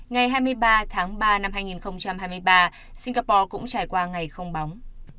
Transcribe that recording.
ngày hai mươi ba tháng ba năm hai nghìn hai mươi ba singapore cũng trải qua ngày không bóng